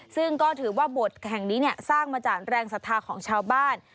ซึ่งก็ถือว่าบทแห่งนี้สร้างมาจากแรงศรัทธาของชาวบ้าน